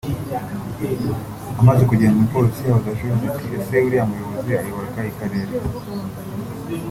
Amaze kugenda umupolisi abaza Joriji ati “Ese uriya muyobozi ayobora akahe karere